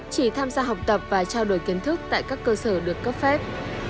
chỉ tham gia học tập và trao đổi kiến thức tại các cơ sở được cấp phép